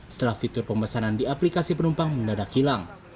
setelah fitur pemesanan di aplikasi penumpang mendadak hilang